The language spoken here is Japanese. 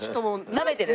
なめてる？